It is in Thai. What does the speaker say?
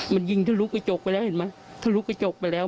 มันยิงทะลุกระจกไปแล้วเห็นไหมทะลุกระจกไปแล้ว